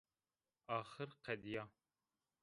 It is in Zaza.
Axir qedîya